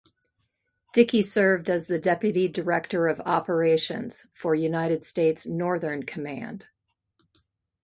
Dickey served as the Deputy Director of Operations for United States Northern Command.